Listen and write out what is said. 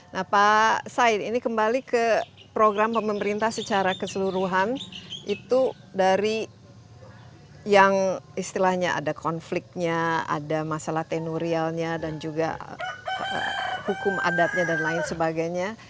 nah pak said ini kembali ke program pemerintah secara keseluruhan itu dari yang istilahnya ada konfliknya ada masalah tenurialnya dan juga hukum adatnya dan lain sebagainya